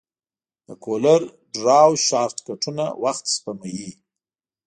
د کولر ډراو شارټکټونه وخت سپموي.